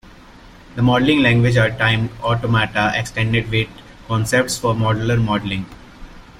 The modeling language are timed automata extended with concepts for modular modeling.